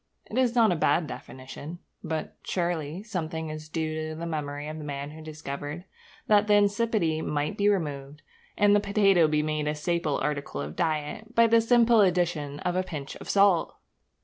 It is not a bad definition. But, surely, something is due to the memory of the man who discovered that the insipidity might be removed, and the potato be made a staple article of diet, by the simple addition of a pinch of salt!